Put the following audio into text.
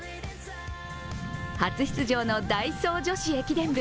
初出場のダイソー女子駅伝部。